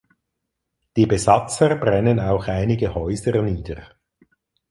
Die Besatzer brennen auch einige Häuser nieder.